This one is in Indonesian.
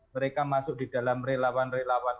mereka masuk di dalam relawan relawan